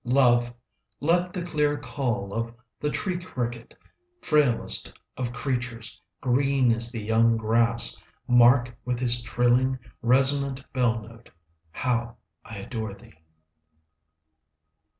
Love, let the clear call Of the tree cricket, Frailest of creatures, Green as the young grass, 25 Mark with his trilling Resonant bell note, How I adore thee.